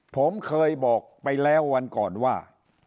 ผมเคยบอกไปแล้ววันก่อนว่า